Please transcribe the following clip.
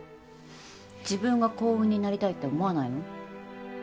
自分が幸運になりたいって思わないの？